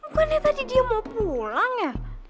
bukannya tadi dia mau pulang ya